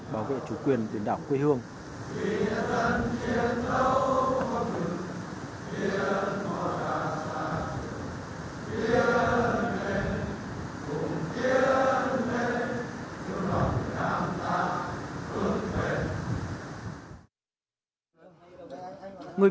bảo vệ chủ quyền biển đảo quê hương